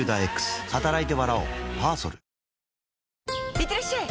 いってらっしゃい！